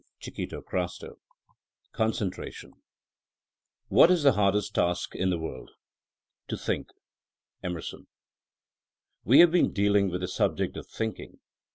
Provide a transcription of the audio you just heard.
IV CONCENTEATION What is the hardest task in the world! To thinlC — Emebson. WE have been dealing with the subject of thinking.